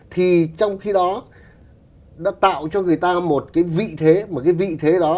thì trong khi đó đã tạo cho người ta một cái vị thế một cái vị thế đó